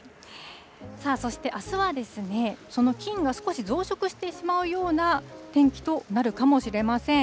そして、あすはですね、その菌が少し増殖してしまうような天気となるかもしれません。